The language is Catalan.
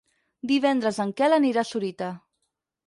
Divendres en Quel anirà a Sorita.